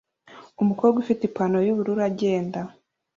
Umukobwa ufite Ipanaro yubururu agenda